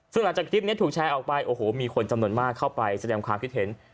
ซึ่งหลังจากคลิปนี้ถูกแชร์ออกไปโอ้โหมีคนจำนวนมากเข้าไปแสดงความคิดเห็น